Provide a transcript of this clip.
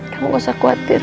kamu gak usah khawatir